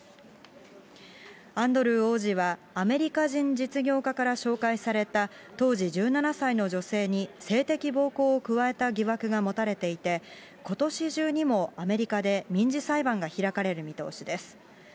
アンドルー王子は、アメリカ人実業家から紹介された当時１７歳の女性に性的暴行を加えた疑惑が持たれていて、ことし中にもアメリカで民事裁判が開かれる見通しです。